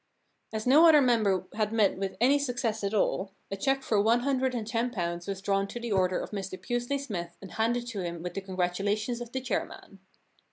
As no other member had met with any success at all, a cheque for one hundred and ten pounds was drawn to the order of 19 The Problem Club Mr Pusely Smythe and handed to him with the congratulations of the chairman.